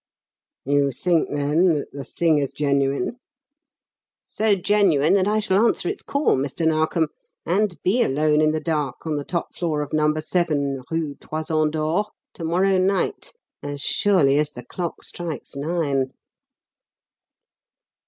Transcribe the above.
"You think, then, that the thing is genuine?" "So genuine that I shall answer its call, Mr. Narkom, and be alone in the dark on the top floor of No. 7, Rue Toison d'Or, to morrow night as surely as the clock strikes nine."